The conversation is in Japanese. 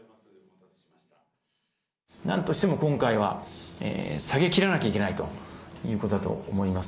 なんとしても今回は、下げきらなきゃいけないということだと思います。